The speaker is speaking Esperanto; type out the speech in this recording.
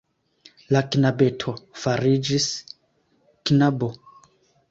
La knabeto fariĝis knabo...